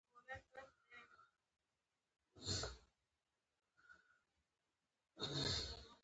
پنیر پروټین لري